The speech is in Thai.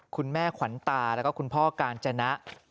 ขวัญตาแล้วก็คุณพ่อกาญจนะ